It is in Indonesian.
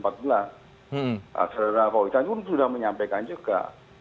saudara saudara pak witan juga sudah menyampaikan juga